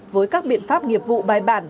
với các biện pháp nghiệp vụ bài bản